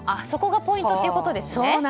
そこがポイントということですね。